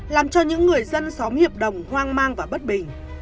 làm cho những người dân xóm hiệp đồng hoang mang và bất bình